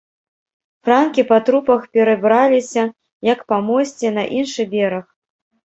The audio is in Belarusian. Франкі па трупах перабраліся, як па мосце, на іншы бераг.